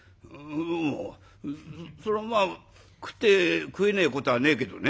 「ううんそりゃまあ食って食えねえことはねえけどね」。